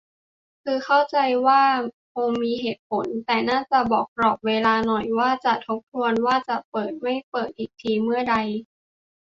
คือเข้าใจได้ว่าคงมีเหตุผล แต่น่าจะบอกกรอบเวลาหน่อย ว่าจะทบทวนว่าจะเปิด-ไม่เปิดอีกทีเมื่อใด